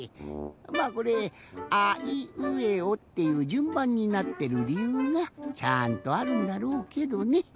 まあこれ「あいうえお」っていうじゅんばんになってるりゆうがちゃんとあるんだろうけどね。